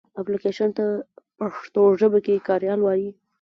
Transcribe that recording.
اپلکېشن ته پښتو ژبه کې کاریال وایې.